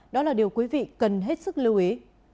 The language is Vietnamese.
đó là điều quý vị cần hết sức lưu ý